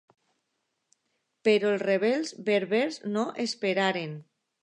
Però els rebels berbers no esperaren.